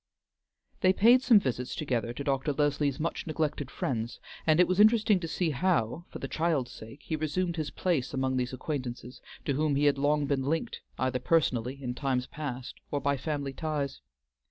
They paid some visits together to Dr. Leslie's much neglected friends, and it was interesting to see how, for the child's sake, he resumed his place among these acquaintances to whom he had long been linked either personally in times past, or by family ties.